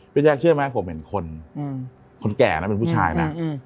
พี่แจ๊กเชื่อไหมผมเห็นคนอืมคนแก่น่ะเป็นผู้ชายน่ะอืมอืม